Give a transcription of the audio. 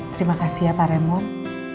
terima kasih ya pak remo